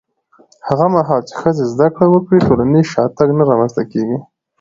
هغه مهال چې ښځې زده کړه وکړي، ټولنیز شاتګ نه رامنځته کېږي.